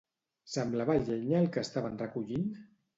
Semblava llenya el que estaven recollint?